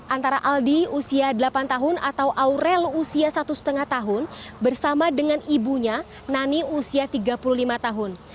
antara aldi usia delapan tahun atau aurel usia satu lima tahun bersama dengan ibunya nani usia tiga puluh lima tahun